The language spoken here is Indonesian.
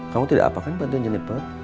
kamu tidak apa kan bantu anjani per